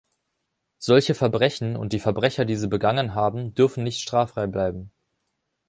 Solche Verbrechen und die Verbrecher, die sie begangen haben, dürfen nicht straffrei bleiben!